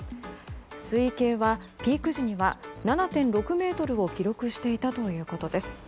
水位計はピーク時には７．６ｍを記録していたということです。